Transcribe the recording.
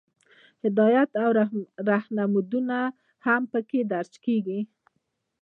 هدایات او رهنمودونه هم پکې درج کیږي.